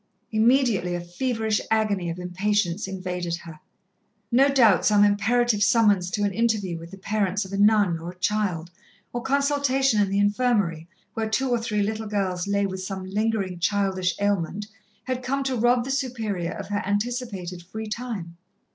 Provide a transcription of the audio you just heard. Immediately a feverish agony of impatience invaded her. No doubt some imperative summons to an interview with the parents of a nun or a child, or consultation in the infirmary, where two or three little girls lay with some lingering childish ailment, had come to rob the Superior of her anticipated free time.